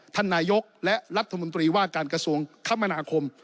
ท่านนายกและรัฐมนตรีว่าการกระทรวงคมนาคม